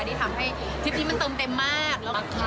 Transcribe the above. ที่ทำให้ทริปนี้มันเติมเต็มมาก